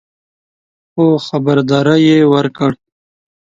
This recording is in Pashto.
خو خبرداری یې ورکړ